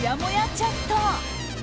チャット。